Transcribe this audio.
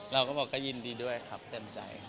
เราก็บอกก็ยินดีด้วยครับแน่นใจครับ